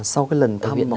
sau cái lần thăm